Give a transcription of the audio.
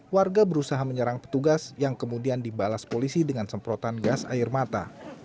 warga berusaha menyerang petugas yang kemudian dibalas polisi dengan semprotan gas air mata